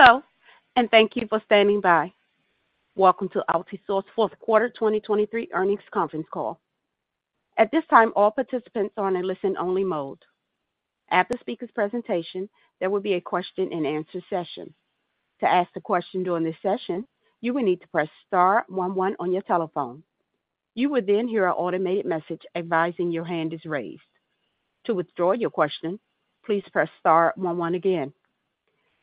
Hello, and thank you for standing by. Welcome to Altisource Fourth Quarter 2023 Earnings Conference Call. At this time, all participants are in a listen-only mode. After speakers' presentation, there will be a question-and-answer session. To ask a question during this session, you will need to press STAR 11 on your telephone. You will then hear an automated message advising your hand is raised. To withdraw your question, please press STAR 11 again.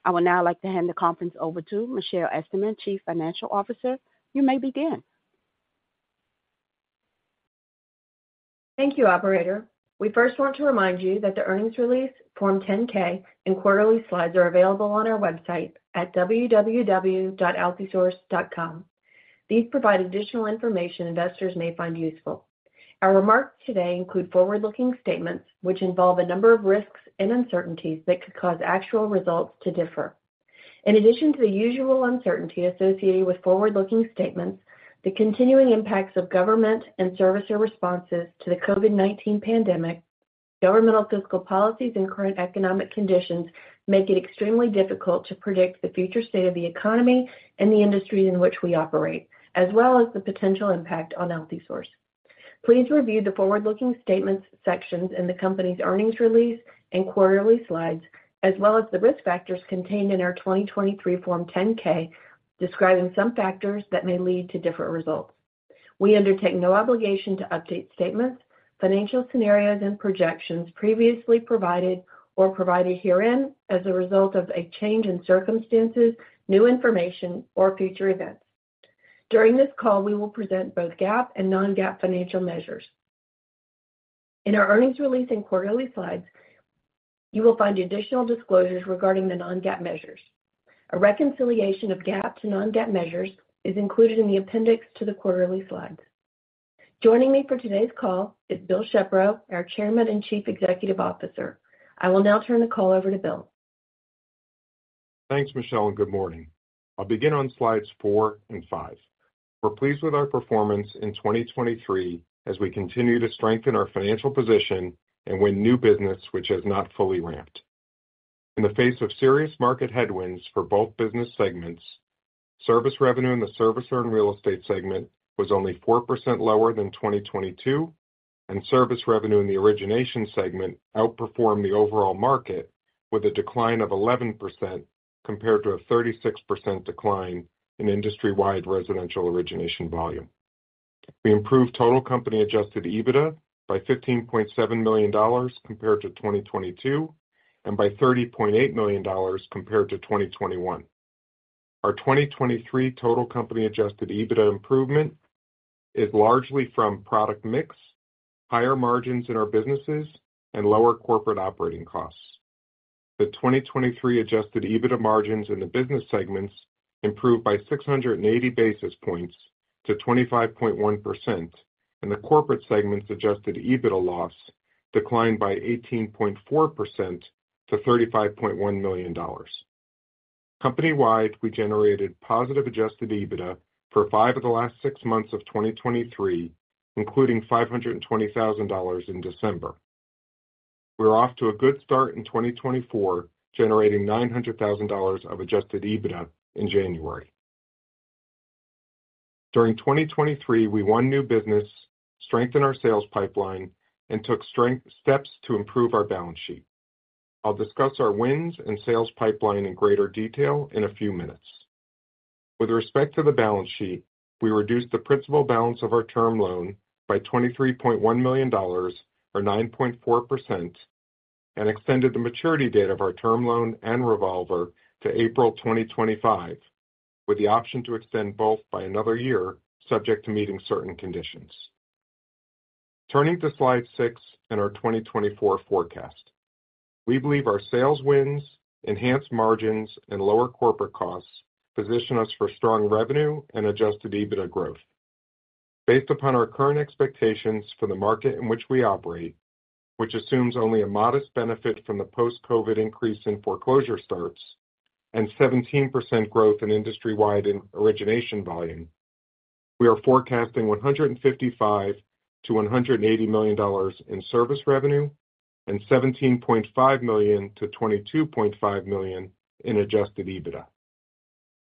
I would now like to hand the conference over to Michelle Esterman, Chief Financial Officer. You may begin. Thank you, Operator. We first want to remind you that the earnings release, Form 10-K, and quarterly slides are available on our website at www.altisource.com. These provide additional information investors may find useful. Our remarks today include forward-looking statements which involve a number of risks and uncertainties that could cause actual results to differ. In addition to the usual uncertainty associated with forward-looking statements, the continuing impacts of government and servicer responses to the COVID-19 pandemic, governmental fiscal policies, and current economic conditions make it extremely difficult to predict the future state of the economy and the industries in which we operate, as well as the potential impact on Altisource. Please review the forward-looking statements sections in the company's earnings release and quarterly slides, as well as the risk factors contained in our 2023 Form 10-K describing some factors that may lead to different results. We undertake no obligation to update statements, financial scenarios, and projections previously provided or provided herein as a result of a change in circumstances, new information, or future events. During this call, we will present both GAAP and non-GAAP financial measures. In our earnings release and quarterly slides, you will find additional disclosures regarding the non-GAAP measures. A reconciliation of GAAP to non-GAAP measures is included in the appendix to the quarterly slides. Joining me for today's call is Bill Shepro, our Chairman and Chief Executive Officer. I will now turn the call over to Bill. Thanks, Michelle, and good morning. I'll begin on slides 4 and 5. We're pleased with our performance in 2023 as we continue to strengthen our financial position and win new business which has not fully ramped. In the face of serious market headwinds for both business segments, service revenue in the Servicer and Real Estate segment was only 4% lower than 2022, and service revenue in the Origination segment outperformed the overall market with a decline of 11% compared to a 36% decline in industry-wide residential Origination volume. We improved total company Adjusted EBITDA by $15.7 million compared to 2022 and by $30.8 million compared to 2021. Our 2023 total company Adjusted EBITDA improvement is largely from product mix, higher margins in our businesses, and lower corporate operating costs. The 2023 adjusted EBITDA margins in the business segments improved by 680 basis points to 25.1%, and the corporate segments' adjusted EBITDA loss declined by 18.4% to $35.1 million. Company-wide, we generated positive adjusted EBITDA for five of the last six months of 2023, including $520,000 in December. We were off to a good start in 2024, generating $900,000 of adjusted EBITDA in January. During 2023, we won new business, strengthened our sales pipeline, and took steps to improve our balance sheet. I'll discuss our wins in sales pipeline in greater detail in a few minutes. With respect to the balance sheet, we reduced the principal balance of our term loan by $23.1 million or 9.4% and extended the maturity date of our term loan and revolver to April 2025, with the option to extend both by another year subject to meeting certain conditions. Turning to slide 6 and our 2024 forecast. We believe our sales wins, enhanced margins, and lower corporate costs position us for strong revenue and Adjusted EBITDA growth. Based upon our current expectations for the market in which we operate, which assumes only a modest benefit from the post-COVID increase in foreclosure starts and 17% growth in industry-wide Origination volume, we are forecasting $155-$180 million in Service Revenue and $17.5-$22.5 million in Adjusted EBITDA.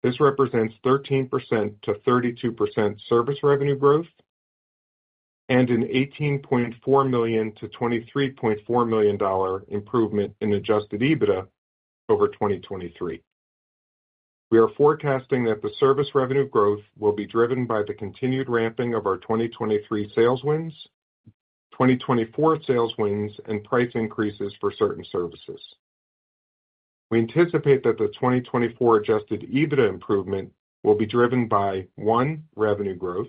This represents 13%-32% Service Revenue growth and an $18.4-$23.4 million improvement in Adjusted EBITDA over 2023. We are forecasting that the Service Revenue growth will be driven by the continued ramping of our 2023 sales wins, 2024 sales wins, and price increases for certain services. We anticipate that the 2024 Adjusted EBITDA improvement will be driven by 1, revenue growth,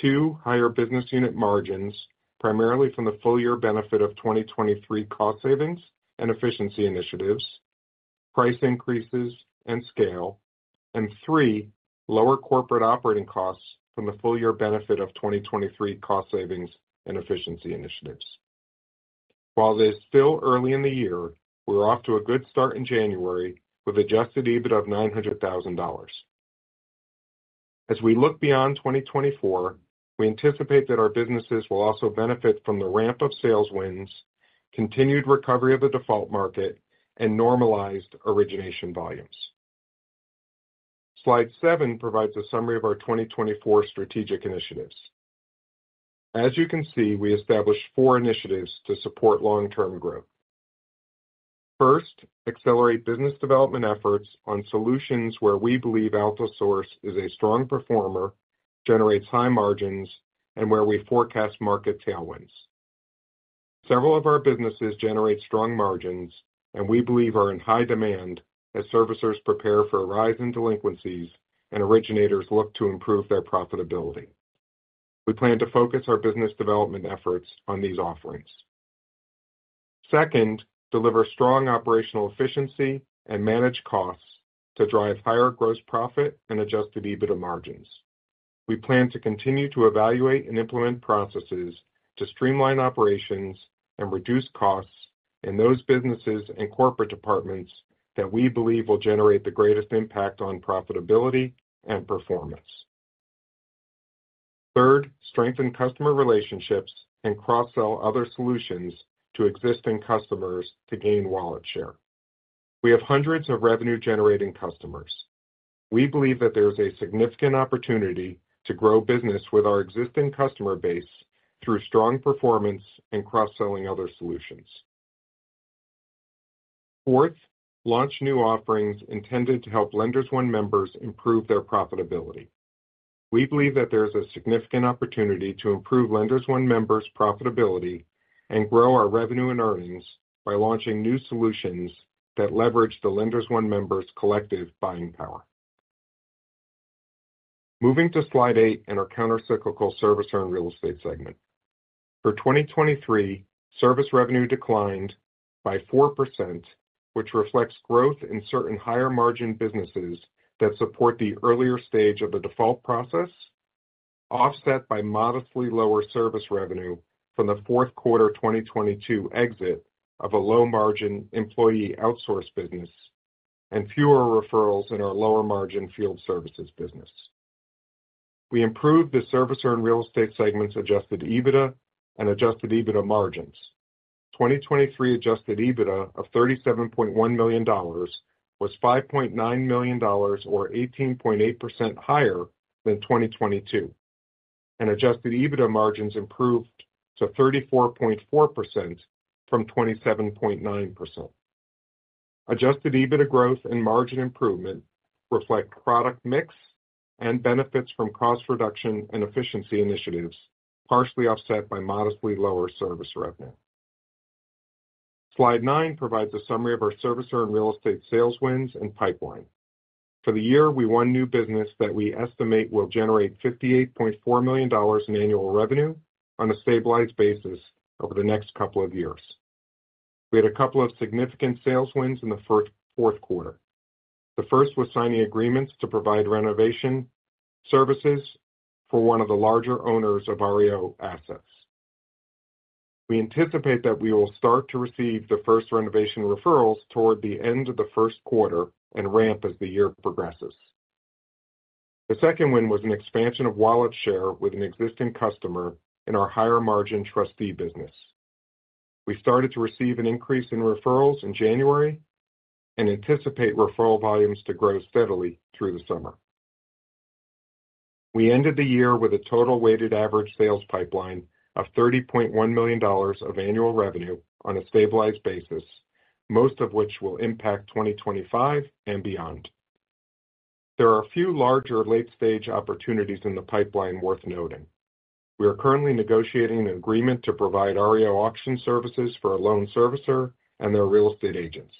2, higher business unit margins, primarily from the full-year benefit of 2023 cost savings and efficiency initiatives, price increases and scale, and 3, lower corporate operating costs from the full-year benefit of 2023 cost savings and efficiency initiatives. While it is still early in the year, we are off to a good start in January with Adjusted EBITDA of $900,000. As we look beyond 2024, we anticipate that our businesses will also benefit from the ramp of sales wins, continued recovery of the default market, and normalized Origination volumes. Slide 7 provides a summary of our 2024 strategic initiatives. As you can see, we established 4 initiatives to support long-term growth. First, accelerate business development efforts on solutions where we believe Altisource is a strong performer, generates high margins, and where we forecast market tailwinds. Several of our businesses generate strong margins, and we believe are in high demand as servicers prepare for a rise in delinquencies and originators look to improve their profitability. We plan to focus our business development efforts on these offerings. Second, deliver strong operational efficiency and manage costs to drive higher gross profit and Adjusted EBITDA margins. We plan to continue to evaluate and implement processes to streamline operations and reduce costs in those businesses and corporate departments that we believe will generate the greatest impact on profitability and performance. Third, strengthen customer relationships and cross-sell other solutions to existing customers to gain wallet share. We have hundreds of revenue-generating customers. We believe that there is a significant opportunity to grow business with our existing customer base through strong performance and cross-selling other solutions. Fourth, launch new offerings intended to help Lenders One members improve their profitability. We believe that there is a significant opportunity to improve Lenders One members' profitability and grow our revenue and earnings by launching new solutions that leverage the Lenders One members' collective buying power. Moving to slide 8 and our countercyclical Servicer and Real Estate segment. For 2023, Service Revenue declined by 4%, which reflects growth in certain higher-margin businesses that support the earlier stage of the default process, offset by modestly lower Service Revenue from the fourth quarter 2022 exit of a low-margin employee outsource business and fewer referrals in our lower-margin Field Services business. We improved the Servicer and Real Estate segments' Adjusted EBITDA and Adjusted EBITDA margins. 2023 Adjusted EBITDA of $37.1 million was $5.9 million or 18.8% higher than 2022, and Adjusted EBITDA margins improved to 34.4% from 27.9%. Adjusted EBITDA growth and margin improvement reflect product mix and benefits from cost reduction and efficiency initiatives, partially offset by modestly lower service revenue. Slide 9 provides a summary of our Servicer and Real Estate sales wins and pipeline. For the year, we won new business that we estimate will generate $58.4 million in annual revenue on a stabilized basis over the next couple of years. We had a couple of significant sales wins in the fourth quarter. The first was signing agreements to provide renovation services for one of the larger owners of REO assets. We anticipate that we will start to receive the first renovation referrals toward the end of the first quarter and ramp as the year progresses. The second win was an expansion of wallet share with an existing customer in our higher-margin trustee business. We started to receive an increase in referrals in January and anticipate referral volumes to grow steadily through the summer. We ended the year with a total weighted average sales pipeline of $30.1 million of annual revenue on a stabilized basis, most of which will impact 2025 and beyond. There are a few larger late-stage opportunities in the pipeline worth noting. We are currently negotiating an agreement to provide REO auction services for a loan servicer and their real estate agents.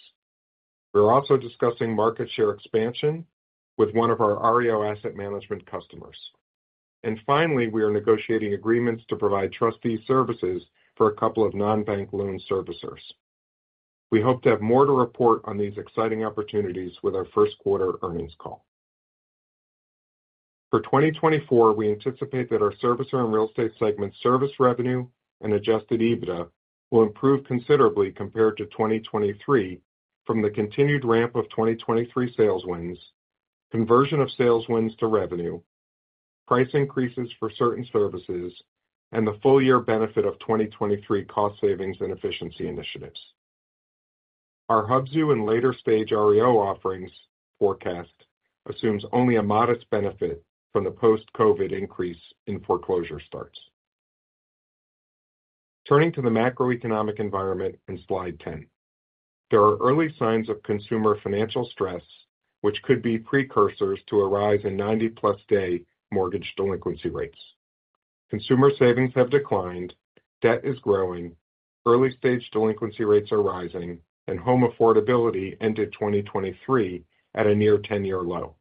We are also discussing market share expansion with one of our REO asset management customers. And finally, we are negotiating agreements to provide trustee services for a couple of non-bank loan servicers. We hope to have more to report on these exciting opportunities with our first quarter earnings call. For 2024, we anticipate that our Servicer and Real Estate segments' service revenue and Adjusted EBITDA will improve considerably compared to 2023 from the continued ramp of 2023 sales wins, conversion of sales wins to revenue, price increases for certain services, and the full-year benefit of 2023 cost savings and efficiency initiatives. Our Hubzu and later-stage REO offerings forecast assumes only a modest benefit from the post-COVID increase in foreclosure starts. Turning to the macroeconomic environment in slide 10. There are early signs of consumer financial stress which could be precursors to a rise in 90-plus-day mortgage delinquency rates. Consumer savings have declined, debt is growing, early-stage delinquency rates are rising, and home affordability ended 2023 at a near 10-year low.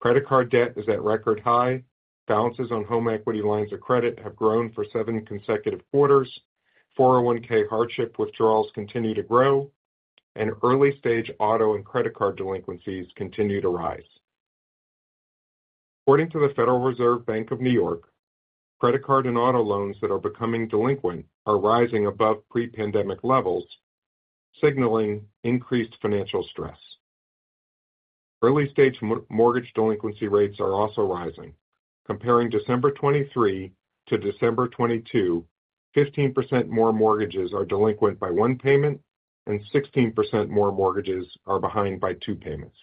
Credit card debt is at record high, balances on home equity lines of credit have grown for 7 consecutive quarters, 401(k) hardship withdrawals continue to grow, and early-stage auto and credit card delinquencies continue to rise. According to the Federal Reserve Bank of New York, credit card and auto loans that are becoming delinquent are rising above pre-pandemic levels, signaling increased financial stress. Early-stage mortgage delinquency rates are also rising. Comparing December 2023 to December 2022, 15% more mortgages are delinquent by 1 payment and 16% more mortgages are behind by 2 payments.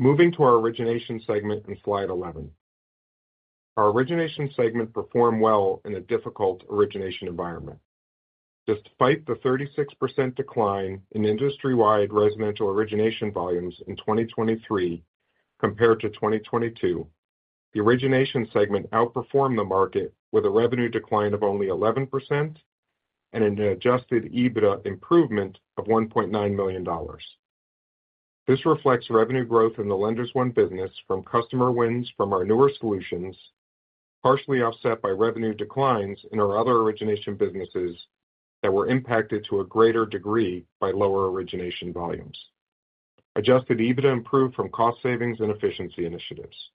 Moving to our Origination segment in slide 11. Our Origination segment performed well in a difficult Origination environment. Despite the 36% decline in industry-wide residential Origination volumes in 2023 compared to 2022, the Origination segment outperformed the market with a revenue decline of only 11% and an Adjusted EBITDA improvement of $1.9 million. This reflects revenue growth in the Lenders One business from customer wins from our newer solutions, partially offset by revenue declines in our other Origination businesses that were impacted to a greater degree by lower Origination volumes. Adjusted EBITDA improved from cost savings and efficiency initiatives.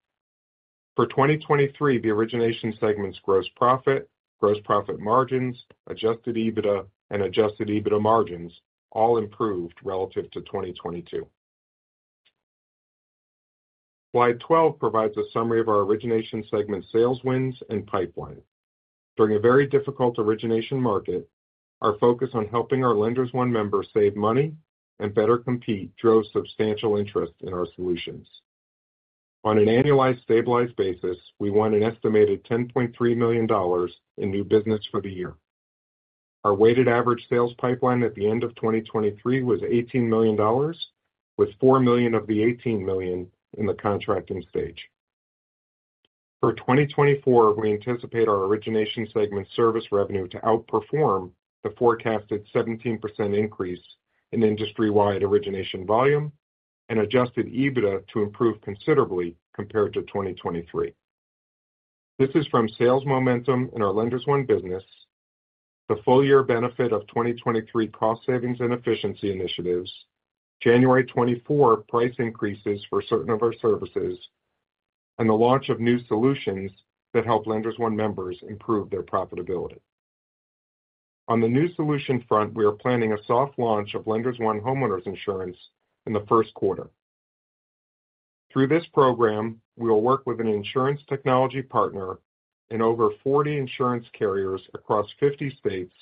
For 2023, the Origination segments' gross profit, gross profit margins, adjusted EBITDA, and adjusted EBITDA margins all improved relative to 2022. Slide 12 provides a summary of our Origination segment sales wins and pipeline. During a very difficult Origination market, our focus on helping our Lenders One members save money and better compete drove substantial interest in our solutions. On an annualized stabilized basis, we won an estimated $10.3 million in new business for the year. Our weighted average sales pipeline at the end of 2023 was $18 million, with $4 million of the $18 million in the contracting stage. For 2024, we anticipate our Origination segment service revenue to outperform the forecasted 17% increase in industry-wide Origination volume and Adjusted EBITDA to improve considerably compared to 2023. This is from sales momentum in our Lenders One business, the full-year benefit of 2023 cost savings and efficiency initiatives, January 2024 price increases for certain of our services, and the launch of new solutions that help Lenders One members improve their profitability. On the new solution front, we are planning a soft launch of Lenders One Homeowners Insurance in the first quarter. Through this program, we will work with an insurance technology partner and over 40 insurance carriers across 50 states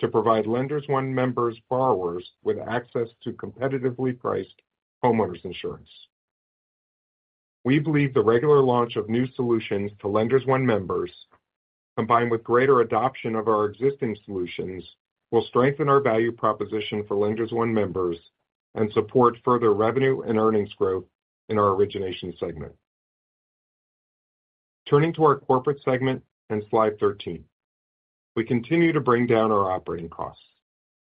to provide Lenders One members' borrowers with access to competitively priced homeowners insurance. We believe the regular launch of new solutions to Lenders One members, combined with greater adoption of our existing solutions, will strengthen our value proposition for Lenders One members and support further revenue and earnings growth in our Origination segment. Turning to our corporate segment and slide 13. We continue to bring down our operating costs.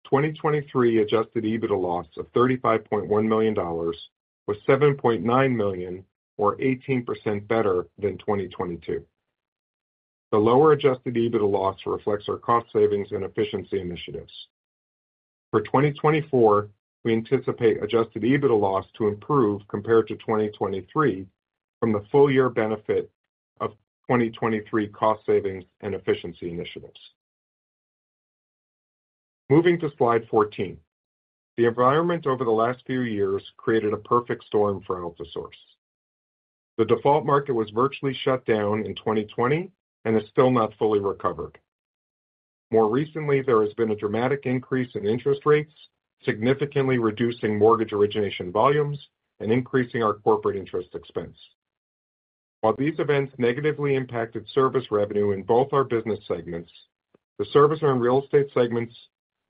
2023 Adjusted EBITDA loss of $35.1 million was $7.9 million or 18% better than 2022. The lower Adjusted EBITDA loss reflects our cost savings and efficiency initiatives. For 2024, we anticipate Adjusted EBITDA loss to improve compared to 2023 from the full-year benefit of 2023 cost savings and efficiency initiatives. Moving to slide 14. The environment over the last few years created a perfect storm for Altisource. The default market was virtually shut down in 2020 and is still not fully recovered. More recently, there has been a dramatic increase in interest rates, significantly reducing mortgage Origination volumes and increasing our corporate interest expense. While these events negatively impacted service revenue in both our business segments, the Servicer and Real Estate segments'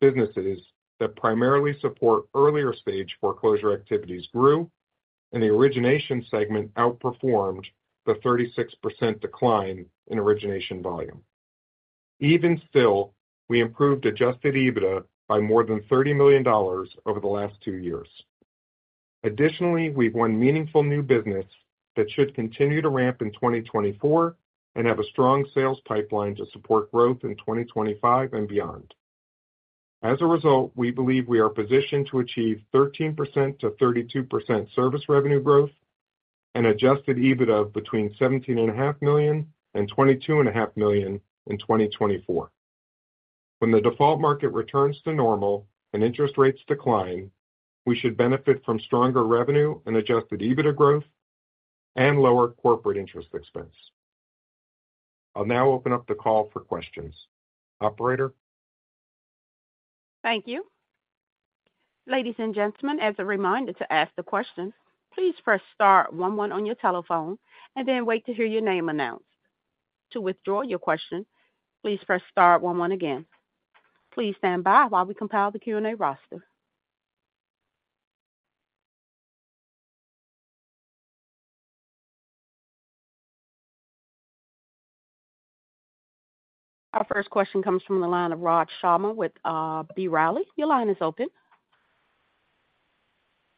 businesses that primarily support earlier-stage foreclosure activities grew, and the Origination segment outperformed the 36% decline in Origination volume. Even still, we improved adjusted EBITDA by more than $30 million over the last two years. Additionally, we've won meaningful new business that should continue to ramp in 2024 and have a strong sales pipeline to support growth in 2025 and beyond. As a result, we believe we are positioned to achieve 13%-32% service revenue growth and adjusted EBITDA between $17.5 million and $22.5 million in 2024. When the default market returns to normal and interest rates decline, we should benefit from stronger revenue and Adjusted EBITDA growth and lower corporate interest expense. I'll now open up the call for questions. Operator. Thank you. Ladies and gentlemen, as a reminder to ask the question, please press star 11 on your telephone and then wait to hear your name announced. To withdraw your question, please press star 11 again. Please stand by while we compile the Q&A roster. Our first question comes from the line of Raj Sharma with B. Riley. Your line is open.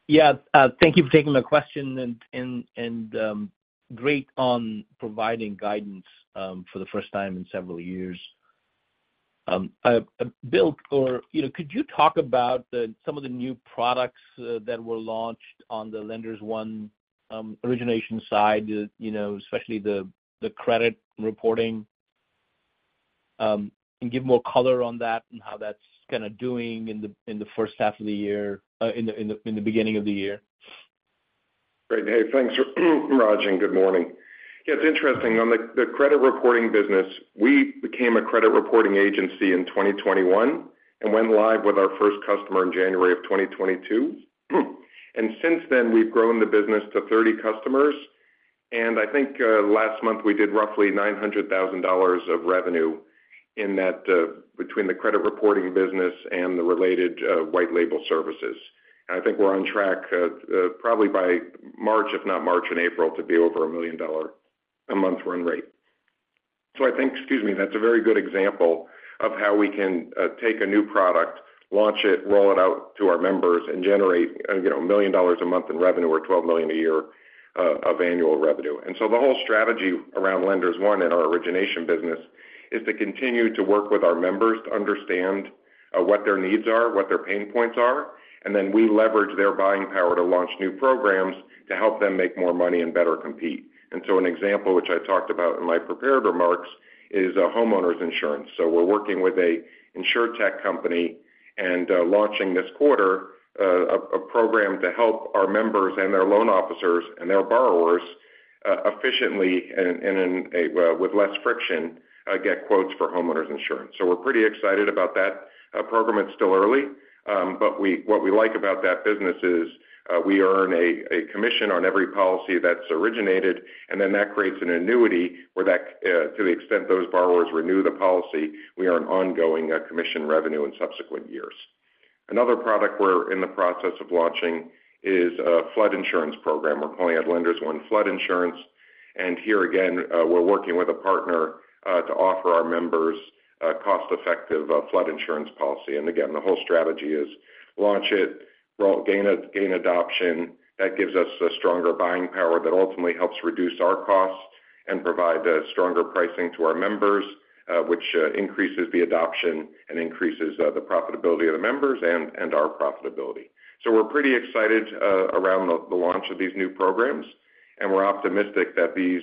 Yeah. Thank you for taking my question and great on providing guidance for the first time in several years. Bill, could you talk about some of the new products that were launched on the Lenders One Origination side, especially the credit reporting, and give more color on that and how that's kind of doing in the first half of the year in the beginning of the year? Great. Hey, thanks, Raj, and good morning. Yeah, it's interesting. On the credit reporting business, we became a credit reporting agency in 2021 and went live with our first customer in January of 2022. And since then, we've grown the business to 30 customers. And I think last month, we did roughly $900,000 of revenue between the credit reporting business and the related white-label services. And I think we're on track probably by March, if not March and April, to be over $1 million a month run rate. So I think, excuse me, that's a very good example of how we can take a new product, launch it, roll it out to our members, and generate $1 million a month in revenue or $12 million a year of annual revenue. The whole strategy around Lenders One and our Origination business is to continue to work with our members to understand what their needs are, what their pain points are, and then we leverage their buying power to launch new programs to help them make more money and better compete. An example which I talked about in my prepared remarks is homeowners insurance. We're working with an insurtech company and launching this quarter a program to help our members and their loan officers and their borrowers efficiently and with less friction get quotes for homeowners insurance. We're pretty excited about that program. It's still early. But what we like about that business is we earn a commission on every policy that's originated, and then that creates an annuity where that, to the extent those borrowers renew the policy, we earn ongoing commission revenue in subsequent years. Another product we're in the process of launching is a flood insurance program. We're calling it Lenders One Flood Insurance. And here again, we're working with a partner to offer our members a cost-effective flood insurance policy. And again, the whole strategy is launch it, gain adoption. That gives us a stronger buying power that ultimately helps reduce our costs and provide stronger pricing to our members, which increases the adoption and increases the profitability of the members and our profitability. So we're pretty excited around the launch of these new programs, and we're optimistic that these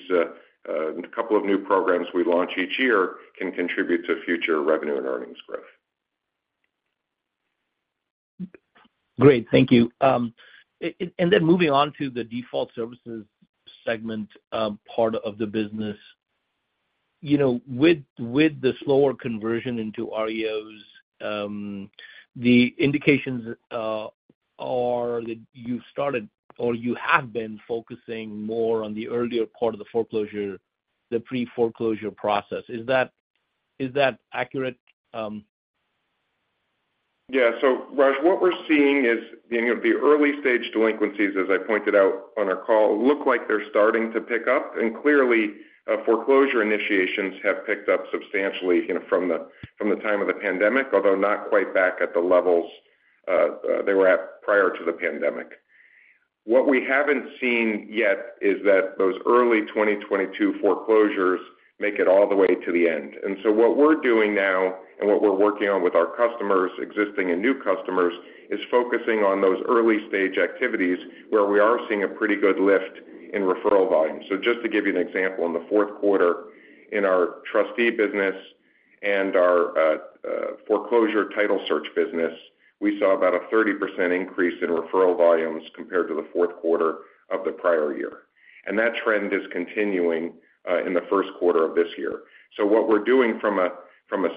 couple of new programs we launch each year can contribute to future revenue and earnings growth. Great. Thank you. And then moving on to the default services segment part of the business, with the slower conversion into REOs, the indications are that you've started or you have been focusing more on the earlier part of the foreclosure, the pre-foreclosure process. Is that accurate? Yeah. So Raj, what we're seeing is the early-stage delinquencies, as I pointed out on our call, look like they're starting to pick up. And clearly, foreclosure initiations have picked up substantially from the time of the pandemic, although not quite back at the levels they were at prior to the pandemic. What we haven't seen yet is that those early 2022 foreclosures make it all the way to the end. And so what we're doing now and what we're working on with our customers, existing and new customers, is focusing on those early-stage activities where we are seeing a pretty good lift in referral volumes. So just to give you an example, in the fourth quarter, in our trustee business and our foreclosure title search business, we saw about a 30% increase in referral volumes compared to the fourth quarter of the prior year. And that trend is continuing in the first quarter of this year. So what we're doing from a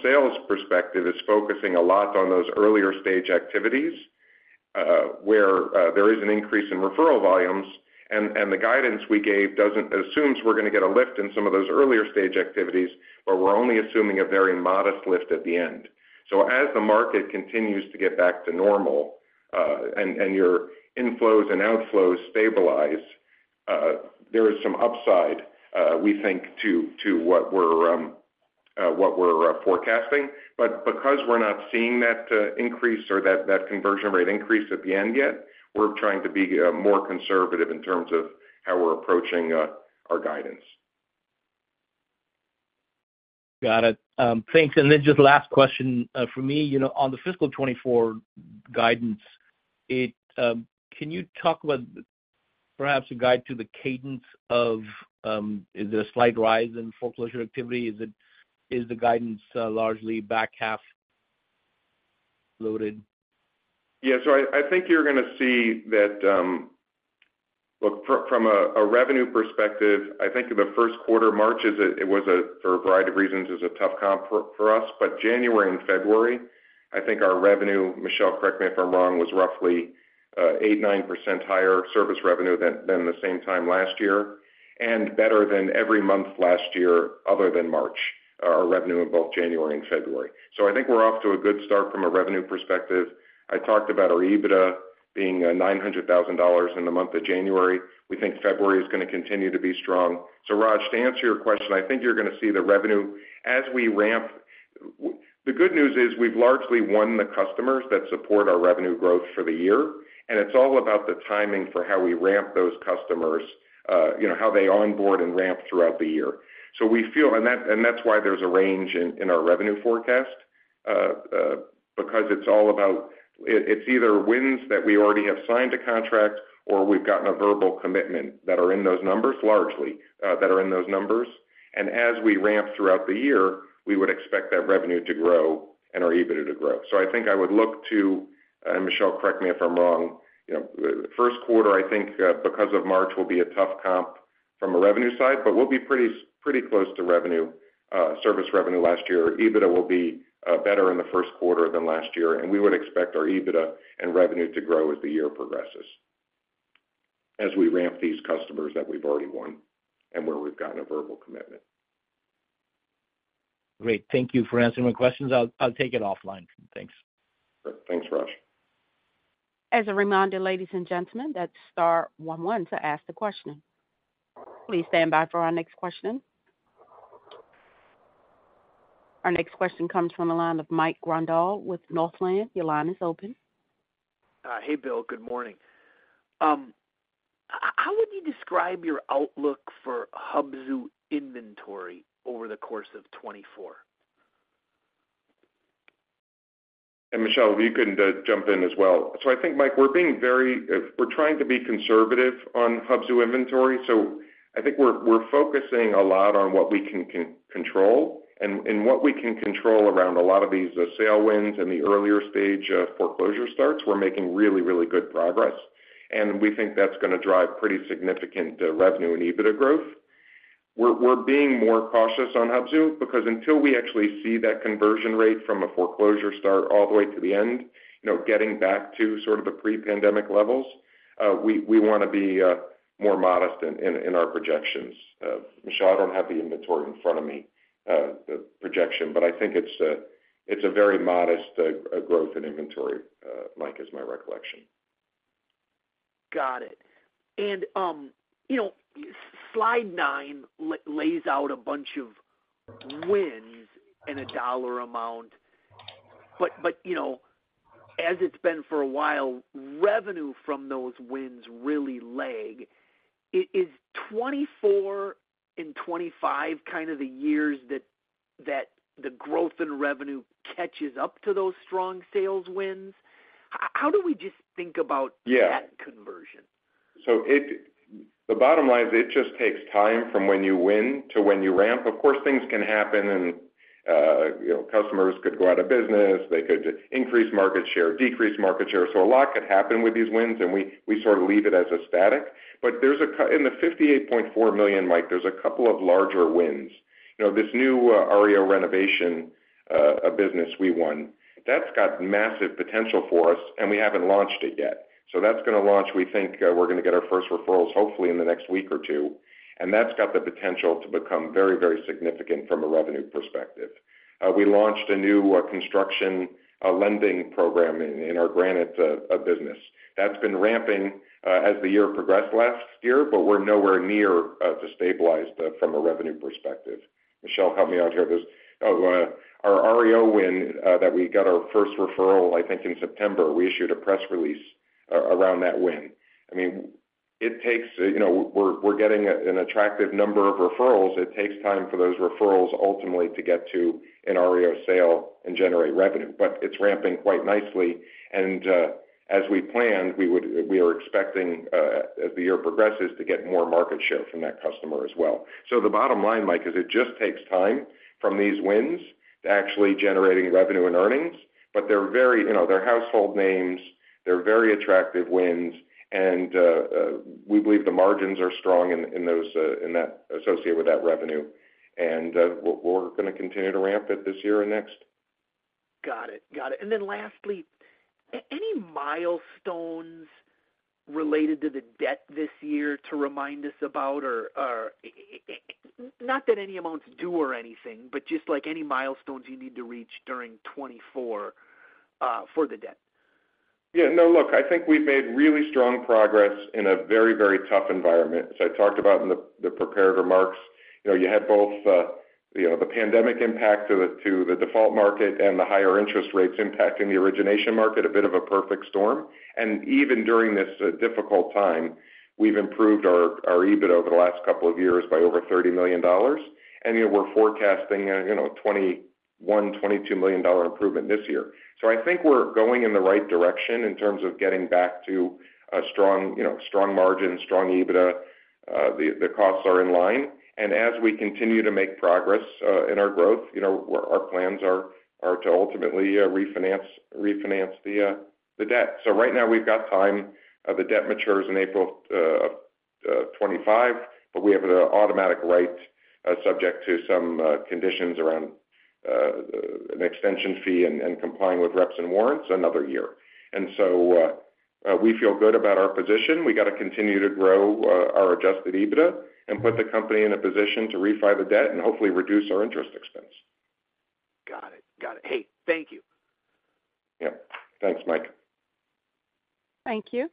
sales perspective is focusing a lot on those earlier-stage activities where there is an increase in referral volumes. And the guidance we gave assumes we're going to get a lift in some of those earlier-stage activities, but we're only assuming a very modest lift at the end. So as the market continues to get back to normal and your inflows and outflows stabilize, there is some upside, we think, to what we're forecasting. But because we're not seeing that increase or that conversion rate increase at the end yet, we're trying to be more conservative in terms of how we're approaching our guidance. Got it. Thanks. And then just last question for me. On the fiscal 2024 guidance, can you talk about perhaps a guide to the cadence of is there a slight rise in foreclosure activity? Is the guidance largely back half loaded? Yeah. So I think you're going to see that. Look, from a revenue perspective, I think in the first quarter, March, for a variety of reasons, is a tough comp for us. But January and February, I think our revenue, Michelle, correct me if I'm wrong, was roughly 8%-9% higher service revenue than the same time last year and better than every month last year other than March, our revenue in both January and February. So I think we're off to a good start from a revenue perspective. I talked about our EBITDA being $900,000 in the month of January. We think February is going to continue to be strong. So Raj, to answer your question, I think you're going to see the revenue as we ramp the good news is we've largely won the customers that support our revenue growth for the year. And it's all about the timing for how we ramp those customers, how they onboard and ramp throughout the year. So we feel, and that's why there's a range in our revenue forecast because it's all about—it's either wins that we already have signed a contract or we've gotten a verbal commitment that are in those numbers, largely that are in those numbers. And as we ramp throughout the year, we would expect that revenue to grow and our EBITDA to grow. So I think I would look to, and Michelle, correct me if I'm wrong. First quarter, I think, because of March, will be a tough comp from a revenue side, but we'll be pretty close to service revenue last year. EBITDA will be better in the first quarter than last year. And we would expect our EBITDA and revenue to grow as the year progresses as we ramp these customers that we've already won and where we've gotten a verbal commitment. Great. Thank you for answering my questions. I'll take it offline. Thanks. Great. Thanks, Raj. As a reminder, ladies and gentlemen, that's star 11 to ask the question. Please stand by for our next question. Our next question comes from a line of Mike Grondahl with Northland. Your line is open. Hey, Bill. Good morning. How would you describe your outlook for Hubzu inventory over the course of 2024? And Michelle, if you can jump in as well. So I think, Mike, we're trying to be conservative on Hubzu inventory. So I think we're focusing a lot on what we can control. And in what we can control around a lot of these sale wins and the earlier-stage foreclosure starts, we're making really, really good progress. And we think that's going to drive pretty significant revenue and EBITDA growth. We're being more cautious on Hubzu because until we actually see that conversion rate from a foreclosure start all the way to the end, getting back to sort of the pre-pandemic levels, we want to be more modest in our projections. Michelle, I don't have the inventory in front of me, the projection, but I think it's a very modest growth in inventory, Mike, is my recollection. Got it. And slide 9 lays out a bunch of wins and a dollar amount. But as it's been for a while, revenue from those wins really lag. Is 2024 and 2025 kind of the years that the growth in revenue catches up to those strong sales wins? How do we just think about that conversion? Yeah. So the bottom line is it just takes time from when you win to when you ramp. Of course, things can happen, and customers could go out of business. They could increase market share, decrease market share. So a lot could happen with these wins, and we sort of leave it as a static. But in the $58.4 million, Mike, there's a couple of larger wins. This new REO renovation business we won, that's got massive potential for us, and we haven't launched it yet. So that's going to launch. We think we're going to get our first referrals, hopefully, in the next week or two. And that's got the potential to become very, very significant from a revenue perspective. We launched a new construction lending program in our Granite business. That's been ramping as the year progressed last year, but we're nowhere near to stabilize from a revenue perspective. Michelle, help me out here. Our REO win that we got our first referral, I think, in September, we issued a press release around that win. I mean, it takes. We're getting an attractive number of referrals. It takes time for those referrals ultimately to get to an REO sale and generate revenue. But it's ramping quite nicely. And as we planned, we are expecting, as the year progresses, to get more market share from that customer as well. So the bottom line, Mike, is it just takes time from these wins to actually generating revenue and earnings. But they're household names. They're very attractive wins. And we believe the margins are strong in that associated with that revenue. And we're going to continue to ramp it this year and next. Got it. Got it. And then lastly, any milestones related to the debt this year to remind us about? Not that any amounts do or anything, but just any milestones you need to reach during 2024 for the debt. Yeah. No, look, I think we've made really strong progress in a very, very tough environment. As I talked about in the prepared remarks, you had both the pandemic impact to the default market and the higher interest rates impacting the Origination market, a bit of a perfect storm. And even during this difficult time, we've improved our EBITDA over the last couple of years by over $30 million. And we're forecasting a $21-$22 million improvement this year. So I think we're going in the right direction in terms of getting back to strong margins, strong EBITDA. The costs are in line. And as we continue to make progress in our growth, our plans are to ultimately refinance the debt. So right now, we've got time. The debt matures in April of 2025, but we have an automatic right subject to some conditions around an extension fee and complying with reps and warrants another year. And so we feel good about our position. We got to continue to grow our Adjusted EBITDA and put the company in a position to refi the debt and hopefully reduce our interest expense. Got it. Got it. Hey, thank you. Yep. Thanks, Mike. Thank you.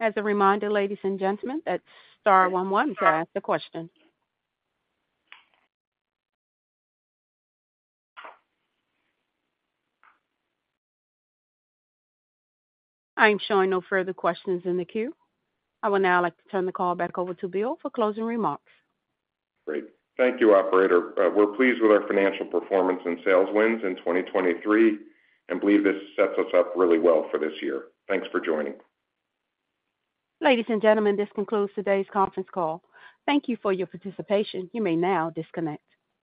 As a reminder, ladies and gentlemen, that's star 11 to ask the question. I'm showing no further questions in the queue. I will now like to turn the call back over to Bill for closing remarks. Great. Thank you, operator. We're pleased with our financial performance and sales wins in 2023 and believe this sets us up really well for this year. Thanks for joining. Ladies and gentlemen, this concludes today's conference call. Thank you for your participation. You may now disconnect.